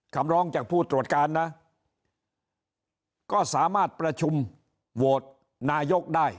คำร้องจากผู้ตรวจการนะก็สามารถประชุมโหวตนายกได้